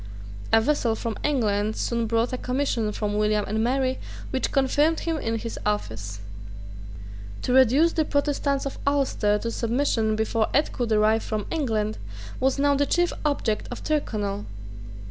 A vessel from England soon brought a commission from William and Mary which confirmed him in his office, To reduce the Protestants of Ulster to submission before aid could arrive from England was now the chief object of Tyrconnel.